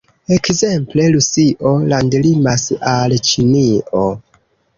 Ekzemple, Rusio landlimas al Ĉinio.